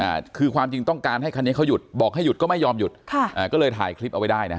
อ่าคือความจริงต้องการให้คันนี้เขาหยุดบอกให้หยุดก็ไม่ยอมหยุดค่ะอ่าก็เลยถ่ายคลิปเอาไว้ได้นะฮะ